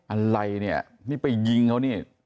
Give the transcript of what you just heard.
อะไรเนี่ยนี่ไปยิงเขานี่